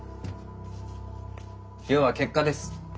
要は結果です。